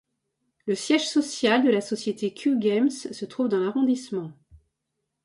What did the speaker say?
Le siège social de la société Q-Games se trouve dans l'arrondissement.